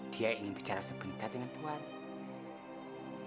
dia ingin bicara sebentar dengan tuhan